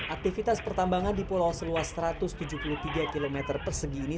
aktivitas pertambangan di pulau seluas satu ratus tujuh puluh tiga km persegi ini